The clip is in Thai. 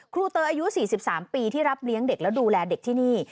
เตยอายุ๔๓ปีที่รับเลี้ยงเด็กแล้วดูแลเด็กที่นี่